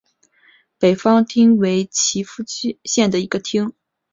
北方町为岐阜县的町。